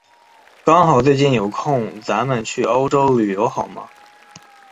刚好最近有空，咱们去欧洲旅游好吗？